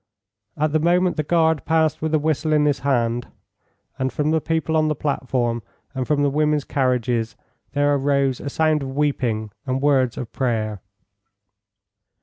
At the moment the guard passed with a whistle in his hand, and from the people on the platform and from the women's carriages there arose a sound of weeping and words of prayer.